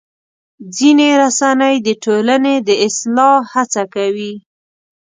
ځینې رسنۍ د ټولنې د اصلاح هڅه کوي.